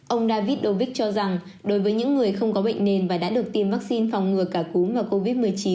ông david dovick cho rằng đối với những người không có bệnh nền và đã được tiêm vaccine phòng ngừa cả cúm và covid một mươi chín